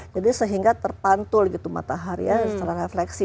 jadi sehingga terpantul gitu matahari ya secara refleksi